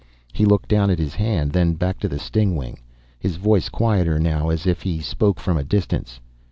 He looked down at his hand, then back to the stingwing. His voice quieter now, as if he spoke from a distance.